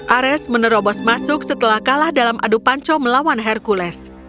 ares menerobos masuk setelah kalah dalam adu panco melawan hercules